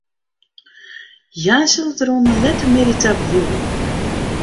Hja sille der oan 'e lette middei ta bliuwe.